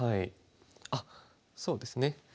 あっそうですね。